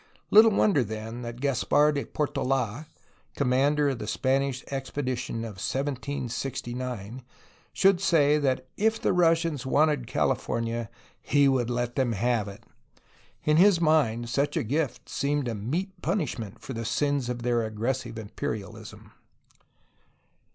Little wonder, then, that Caspar de Portola (commander of the Spanish expedition of 1769) should say that if the Russians wanted California, he would let them have it; in his mind such a gift seemed a meet punishment for the sins of their aggressive imperialism